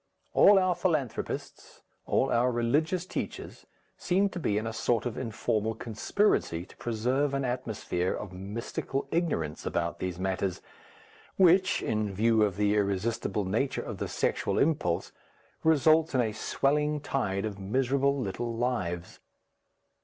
All our philanthropists, all our religious teachers, seem to be in a sort of informal conspiracy to preserve an atmosphere of mystical ignorance about these matters, which, in view of the irresistible nature of the sexual impulse, results in a swelling tide of miserable little lives.